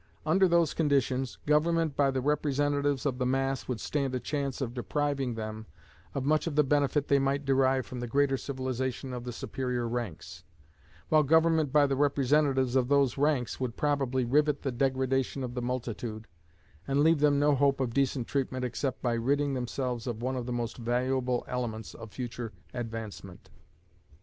Under those conditions, government by the representatives of the mass would stand a chance of depriving them of much of the benefit they might derive from the greater civilization of the superior ranks, while government by the representatives of those ranks would probably rivet the degradation of the multitude, and leave them no hope of decent treatment except by ridding themselves of one of the most valuable elements of future advancement.